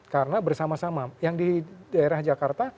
karena bersama sama yang di daerah jakarta